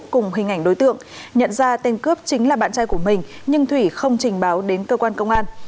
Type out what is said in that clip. cùng hình ảnh đối tượng nhận ra tên cướp chính là bạn trai của mình nhưng thủy không trình báo đến cơ quan công an